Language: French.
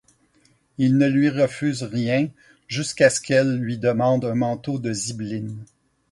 Il ne lui refuse rien, jusqu'à ce qu'elle lui demande un manteau de zibeline.